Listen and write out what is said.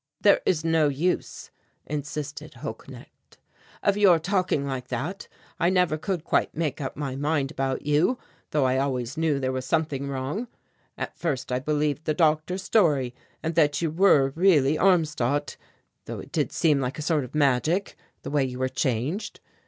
"There is no use," insisted Holknecht, "of your talking like that. I never could quite make up my mind about you, though I always knew there was something wrong. At first I believed the doctor's story, and that you were really Armstadt, though it did seem like a sort of magic, the way you were changed.